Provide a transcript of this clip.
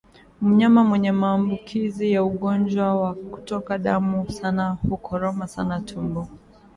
Mnyama mwenye maambukizi ya ugonjwa wa kutoka damu sana hukoroma sana tumbo